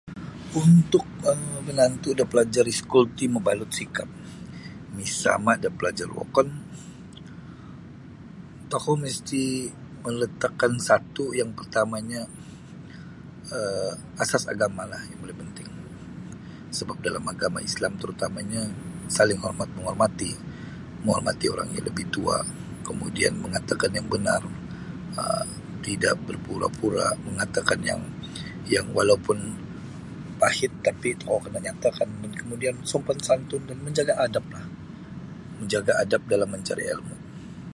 Untuk um menantu pelajar iskul ti mabalut sikap misama da pelajar wokon tokou misti meletakkan satu yang pertamanyo um asas agamalah yang paling penting sebap dalam agama Islam terutamanyo saling hormat menghormati menghormati orang yang lebih tua kemudian mengatakan yang benar um tidak berpura-pura mengatakan yang walaupun pahit tokou kena nyatakan sopan santun dan menjaga adaplah menjaga adap dalam mencari ilmu.